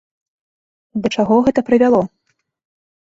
Да чаго гэта прывяло?